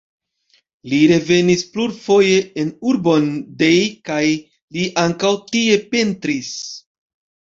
Li revenis plurfoje en urbon Dej kaj li ankaŭ tie pentris.